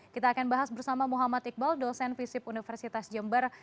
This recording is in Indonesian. kita akan bahas bersama muhammad iqbal dosen visip universitas jember